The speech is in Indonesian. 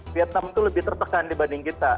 vietnam itu lebih tertekan dibanding kita